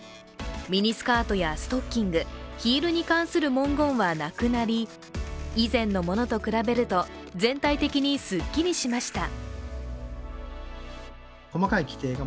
ミニスカートやストッキング、ヒールに関する文言はなくなり以前のものと比べると、全体的にすっきりしました。